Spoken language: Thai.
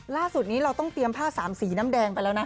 ล่าสุดนี้เราต้องเตรียมผ้าสามสีน้ำแดงไปแล้วนะ